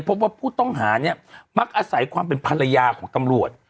พบว่าผู้ต้องหาเนี่ยมักอาศัยความเป็นภรรยาของตำรวจ